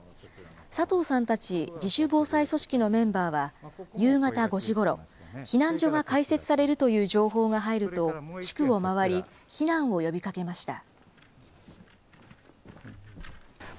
佐藤さんたち自主防災組織のメンバーは、夕方５時ごろ、避難所が開設されるという情報が入ると、地区を回り、避難を呼びかけました。